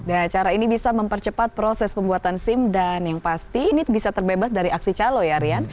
nah cara ini bisa mempercepat proses pembuatan sim dan yang pasti ini bisa terbebas dari aksi calo ya rian